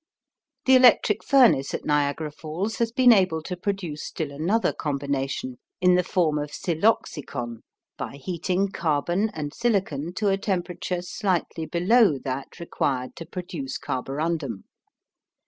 The electric furnace at Niagara Falls has been able to produce still another combination in the form of siloxicon by heating carbon and silicon to a temperature slightly below that required to produce carborundum.